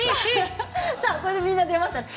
これでみんな出ました。